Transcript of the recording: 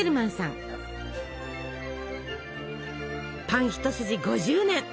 パン一筋５０年！